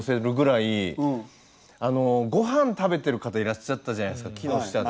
あの御飯食べてる方いらっしゃったじゃないですか木の下で。